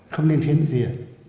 không nên phiến diện